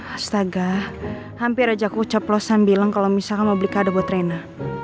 astaga hampir ajak ucap losan bilang kalau mau beli kado buat rina